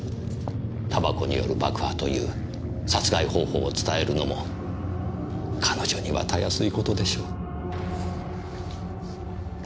煙草による爆破という殺害方法を伝えるのも彼女にはたやすいことでしょう。